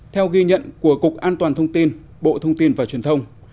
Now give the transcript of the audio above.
theo ghi nhận của cục an toàn thông tin bộ thông tin và truyền thông